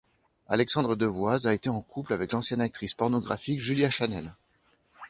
Alexandre Devoise a été en couple avec l'ancienne actrice pornographique Julia Channel.